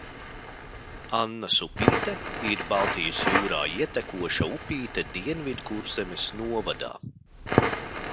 Annas upīte ir Baltijas jūrā ietekoša upīte Dienvidkurzemes novadā.